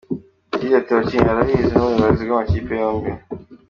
Yagize ati "Abakinnyi barabizi n’ubuyobozi bw’amakipe yombi.